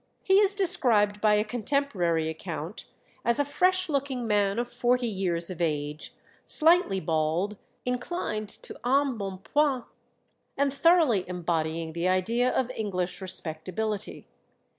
He is described by a contemporary account as a fresh looking man of forty years of age, slightly bald, inclined to embonpoint, and thoroughly embodying the idea of English respectability.